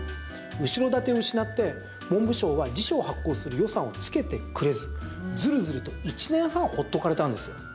後ろ盾を失って文部省は辞書を発行する予算をつけてくれずずるずると１年半ほっとかれたんですよ。